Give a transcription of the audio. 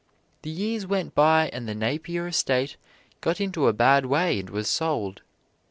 The years went by and the Napier estate got into a bad way and was sold.